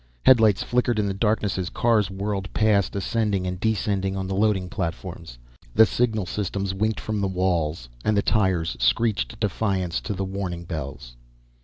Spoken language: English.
Headlights flickered in the darkness as cars whirled past, ascending and descending on the loading platforms. The signal systems winked from the walls, and tires screeched defiance to the warning bells.